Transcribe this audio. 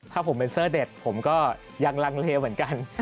ถ้าผมเป็นเซอร์เด็ดผมก็ยังลังเลเหมือนกัน